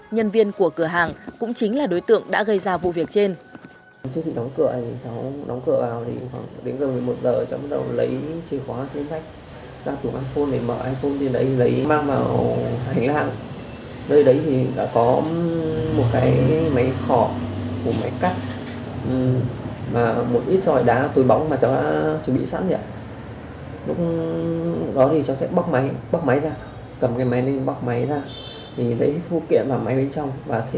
nhân viên của cửa hàng cũng chính là đối tượng đã gây ra vụ việc trên